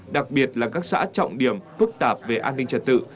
đặc biệt là các xã trọng điểm phức tạp về an ninh trật tự